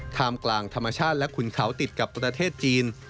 กลางธรรมชาติและขุนเขาติดกับประเทศจีน